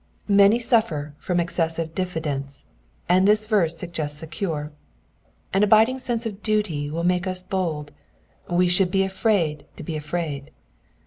Many suffer from excessive diffidence, and this verse suggests a cure. An abiding sense of duty will make us bold, we shall be afraid to be afraid.